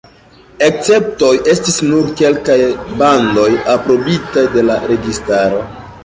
Esceptoj estis nur kelkaj bandoj aprobitaj de la registaro.